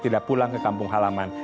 tidak pulang ke kampung halaman